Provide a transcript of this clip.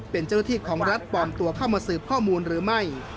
เป็นเจ้าหน้าที่ของรัฐปลอมตัวเข้ามาสืบข้อมูลหรือไม่